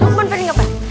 lukman pengen gak pak